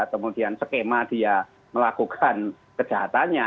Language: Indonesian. kemudian skema dia melakukan kejahatannya